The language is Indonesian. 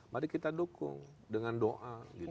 mari kita dukung dengan doa